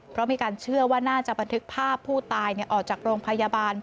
เพราะมีการเชื่อว่าน่าจะบันทึกภาพผู้ตายออกจากโรงพยาบาล